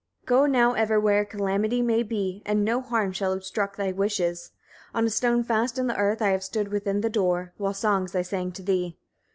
15. Go now ever where calamity may be, and no harm shall obstruct thy wishes. On a stone fast in the earth I have stood within the door, while songs I sang to thee.